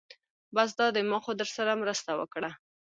بس دا دی ما خو درسره مرسته وکړه.